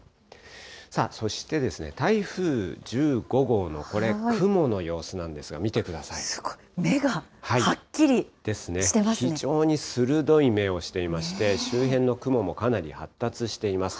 さあ、そして台風１５号のこれ、雲の様子なんですが、見てくださすごい、目がはっきりしてま非常に鋭い目をしていまして、周辺の雲もかなり発達しています。